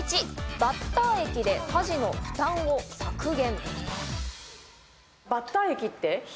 バッター液で家事の負担を削減。